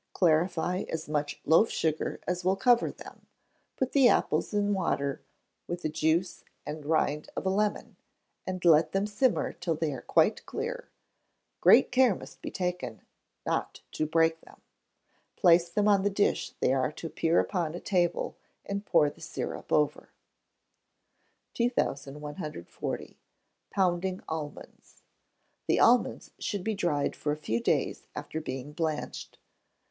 Clarify as much loaf sugar as will cover them; put the apples in water with the juice and rind of a lemon, and let them simmer till they are quite clear; great care must be taken not to break them. Place them on the dish they are to appear upon at table, and pour the syrup over. 2140. Pounding Almonds. The almonds should be dried for a few days after being blanched.